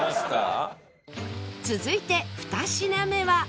続いて２品目は